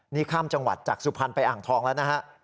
นี่ข้ามจังหวัดจากสุพรรณไปอ่างทองแล้วนะฮะ